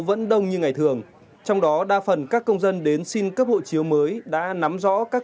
vẫn đông như ngày thường trong đó đa phần các công dân đến xin cấp hộ chiếu mới đã nắm rõ các